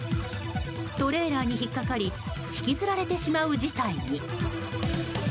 トレーラーに引っかかり引きずられてしまう事態に。